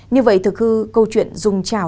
như vậy thực hư câu chuyện dùng trào